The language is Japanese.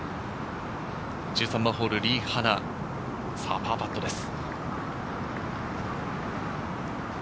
１３番ホール、リ・ハナのパーパットです。